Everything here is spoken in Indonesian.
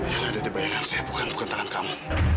yang ada di bayangan saya bukan tangan kamu